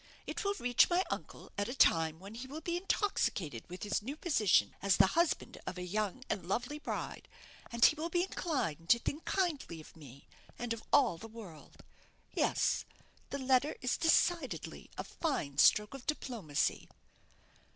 It will reach my uncle at a time when he will be intoxicated with his new position as the husband of a young and lovely bride; and he will be inclined to think kindly of me, and of all the world. Yes the letter is decidedly a fine stroke of diplomacy."